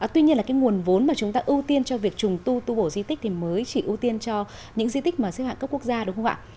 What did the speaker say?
tuy nhiên là cái nguồn vốn mà chúng ta ưu tiên cho việc trùng tu tu bổ di tích thì mới chỉ ưu tiên cho những di tích mà xếp hạng cấp quốc gia đúng không ạ